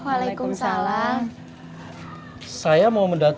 aku masih dalam perjalanan band forgot